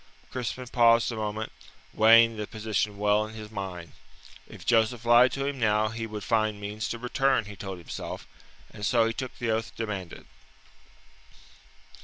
Crispin paused a moment, weighing the position well in his mind. If Joseph lied to him now, he would find means to return, he told himself, and so he took the oath demanded.